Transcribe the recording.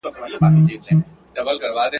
له ربابي سره شهباز ژړله.